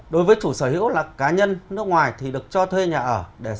đối với chủ sở hữu là cá nhân nước ngoài thì được cho thuê nhà ở